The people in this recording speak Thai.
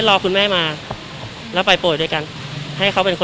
ก็รอคุณแม่มาเผื่อพวกคุณมาโอบอส